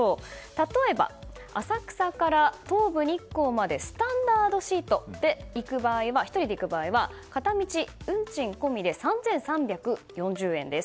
例えば、浅草から東武日光までスタンダードシートで１人で行く場合は片道、運賃込みで３３４０円です。